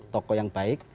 toko yang baik